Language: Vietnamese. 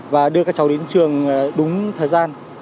và đưa các cháu đến trường đúng thời gian